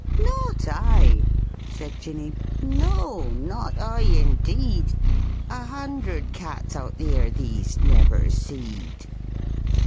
"Not I," said Jinny; "no, not I, indeed; A hundred cats out theere, thee'st never seed."